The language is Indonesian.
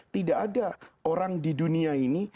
tidak ada orang di dunia ini